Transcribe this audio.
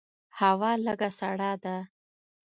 هوا لږه سړه ده.